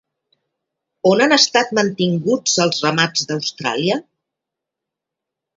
On han estat mantinguts els ramats d'Austràlia?